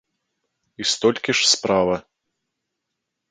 І столькі ж справа.